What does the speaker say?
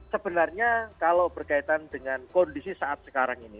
sebenarnya kalau berkaitan dengan kondisi saat sekarang ini